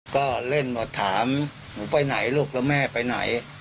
ก็เล่นหมดถามหนูไปไหนลูกแล้วแม่ไปไหน